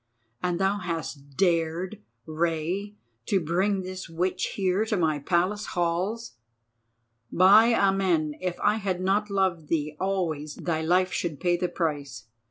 And thou hast dared, Rei, to bring this witch here to my Palace halls! By Amen if I had not loved thee always thy life should pay the price.